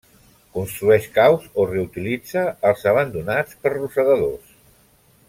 Construeix caus o reutilitza els abandonats per rosegadors.